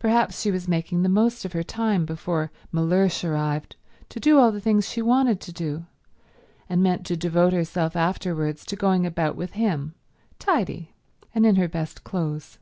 Perhaps she was making the most of her time before Mellersh arrived to do all the things she wanted to do, and meant to devote herself afterwards to going about with him, tidy and in her best clothes.